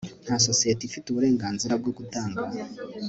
nta sosiyete ifite uburenganzira bwo gutanga